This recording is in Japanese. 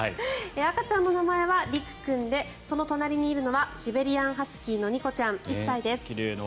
赤ちゃんの名前は陸君でその隣にいるのはシベリアンハスキーのニコちゃん１歳です。